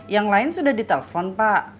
yang lain sudah ditelepon pak